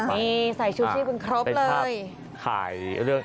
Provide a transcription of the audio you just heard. ใส่ชูชิเป็นครบเลย